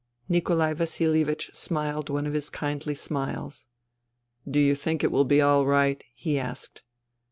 ..." Nikolai Vasilievich smiled one of his kindly smiles. " Do you think it will be all right ?" he asked.